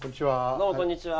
どうもこんにちは。